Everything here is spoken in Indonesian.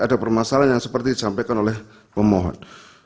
ada permasalahan seperti yang disampaikan oleh pemohon